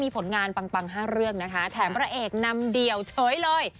มีผลงานปัง๕เรื่องนะคะแถมพระเอกนำเดี่ยวเฉยเลย